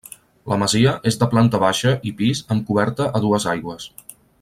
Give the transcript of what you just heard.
La masia és de planta baixa i pis amb coberta a dues aigües.